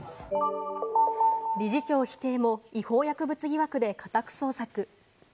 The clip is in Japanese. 理事長否定も違法薬物疑惑で家宅捜索。